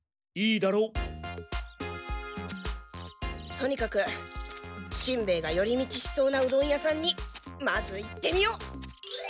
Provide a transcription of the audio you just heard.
とにかくしんべヱが寄り道しそうなうどん屋さんにまず行ってみよう！